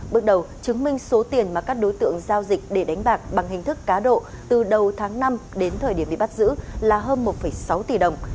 bước đầu chứng minh số tiền mà các đối tượng giao dịch để đánh bạc bằng hình thức cá độ từ đầu tháng năm đến thời điểm bị bắt giữ là hơn một sáu tỷ đồng